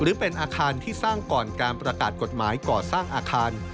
หรือเป็นอาคารที่สร้างก่อนการประกาศกฎหมายก่อสร้างอาคาร